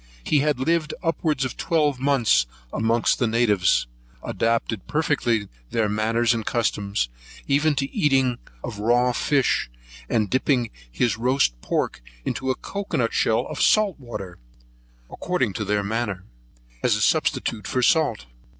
He had lived upwards of twelve months amongst the natives, adopted perfectly their manners and customs, even to the eating of raw fish, and dipping his roast pork into a cocoa nut shell of salt water, according to their manner, as substitute for salt.